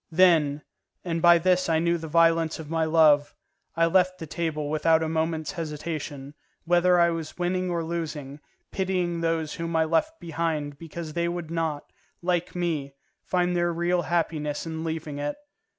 Then, and by this I knew the violence of my love, I left the table without a moment's hesitation, whether I was winning or losing, pitying those whom I left behind because they would not, like me, find their real happiness in leaving it.